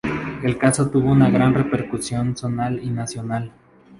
El caso tuvo una gran repercusión zonal y nacional.